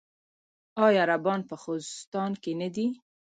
آیا عربان په خوزستان کې نه دي؟